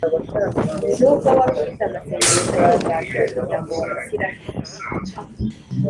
nubwo wari ufite amasengesho ahimbaje umuryango wa isiraheli